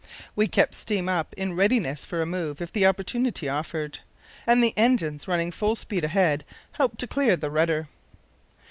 We kept steam up in readiness for a move if the opportunity offered, and the engines running full speed ahead helped to clear the rudder.